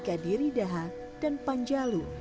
kadiri daha dan panjalu